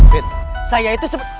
fit saya itu sempurna